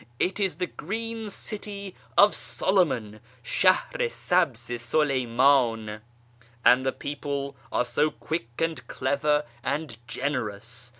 It is the Green City of Solomon (shahr i sabz i Suleynidn). And the people are so quick and clever and generous.